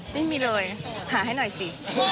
ไม่มีเลยหาให้หน่อยสิ